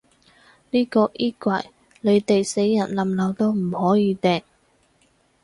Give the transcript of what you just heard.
呢個衣櫃，你哋死人冧樓都唔可以掟